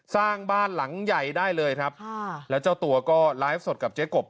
สร้างบ้านหลังใหญ่ได้เลยครับค่ะแล้วเจ้าตัวก็ไลฟ์สดกับเจ๊กบ